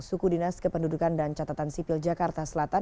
suku dinas kependudukan dan catatan sipil jakarta selatan